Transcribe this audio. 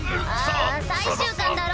ああ最終巻だろ？